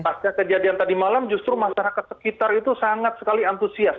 pas kejadian tadi malam justru masyarakat sekitar itu sangat sekali antusias